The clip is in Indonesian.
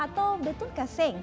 atau beton ke seng